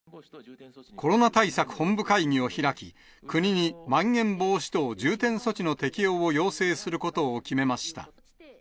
コロナ対策本部会議を開き、国にまん延防止等重点措置の適用を要請することを決めました。